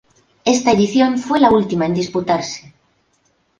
Esta edición fue la última en disputarse.